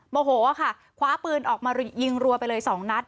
โมโหค่ะคว้าปืนออกมายิงรัวไปเลยสองนัด